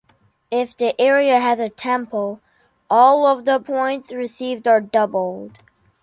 If the area has a temple, all of the points received are doubled.